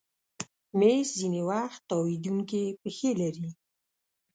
مېز ځینې وخت تاوېدونکی پښې لري.